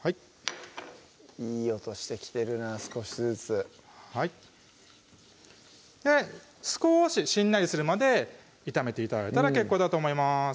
いい音してきてるな少しずつはい少ししんなりするまで炒めて頂いたら結構だと思います